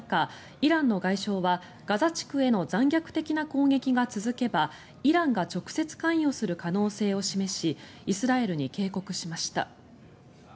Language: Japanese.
イランの外相は、ガザ地区への残虐的な攻撃が続けばイランが直接関与する可能性を示しイスラエルに警告しました。